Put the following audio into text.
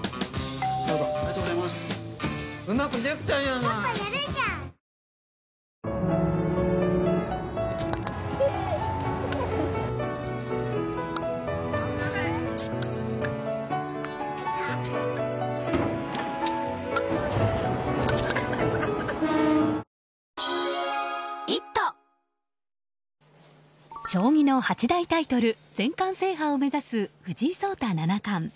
わかるぞ将棋の八大タイトル全冠制覇を目指す藤井聡太七冠。